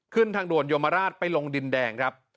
ทางด่วนโยมราชไปลงดินแดงครับ